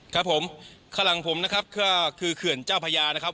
ครับผมข้างหลังผมนะครับก็คือเขื่อนเจ้าพญานะครับ